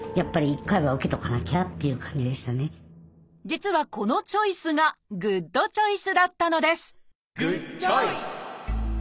実はこのチョイスがグッドチョイスだったのですグッドチョイス！